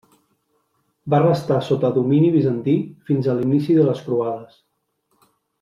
Va restar sota domini bizantí fins a l'inici de les croades.